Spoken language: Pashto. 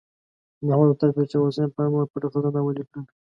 محمد هوتک د شاه حسین په امر پټه خزانه ولیکله.